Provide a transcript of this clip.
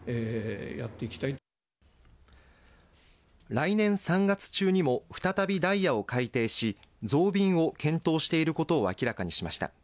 来年３月中にも再びダイヤを改定し増便を検討していることを明らかにしました。